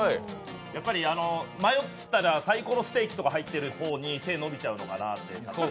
やっぱり、迷ったらサイコロステーキとか入ってる方に、手が伸びちゃうのかなって。